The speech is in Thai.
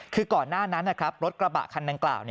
คือก่อนหน้านั้นนะครับรถกระบะคันดังกล่าว